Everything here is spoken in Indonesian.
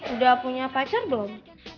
udah punya pacar belum